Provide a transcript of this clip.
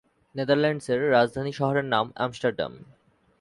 নেদারল্যান্ডসের রাজধানী শহরের নাম আমস্টারডাম।